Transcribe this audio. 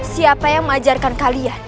siapa yang mengajarkan kalian